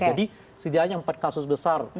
jadi setidaknya empat kasus besar